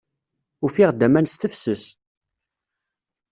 Ufiɣ-d aman s tefses.